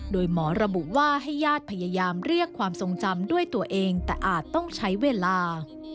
โดยหมอระบุว่าให้ญาติพยายามเรียกความทรงจำด้วยตัวเองแต่อาจต้องใช้เวลา